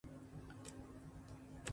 雪が降ると静かになりますね。